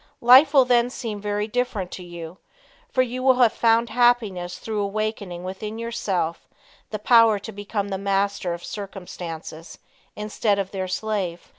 Life will then seem very different to you, for you will have found happiness through awakening within yourself the power to become the master of circumstances instead of their slave.